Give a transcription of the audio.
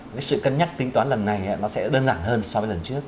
cái sự cân nhắc tính toán lần này nó sẽ đơn giản hơn so với lần trước